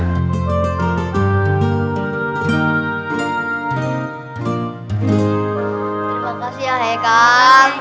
terima kasih ya haikal